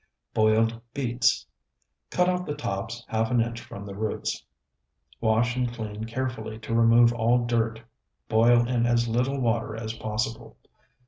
BOILED BEETS Cut off the tops half an inch from the roots; wash and clean carefully to remove all dirt. Boil in as little water as possible.